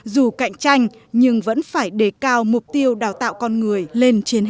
dù cạnh tranh nhưng vẫn phải đề cao mục tiêu đào tạo con người lên trên hết